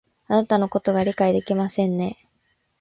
あなたのことを理解ができませんね